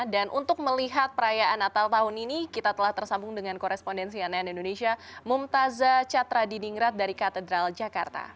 dan untuk melihat perayaan natal tahun ini kita telah tersambung dengan korespondensi ann indonesia mum taza catradiningrat dari katedral jakarta